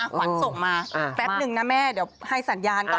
ขวัญส่งมาแป๊บนึงนะแม่เดี๋ยวให้สัญญาณก่อน